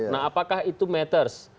nah apakah itu matters